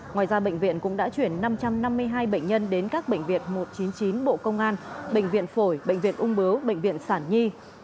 ngoài ra bệnh viện cũng đã chuyển năm trăm năm mươi hai bệnh nhân đến các bệnh viện một trăm chín mươi chín bộ công an bệnh viện phổi bệnh viện ung bướu bệnh viện sản nhi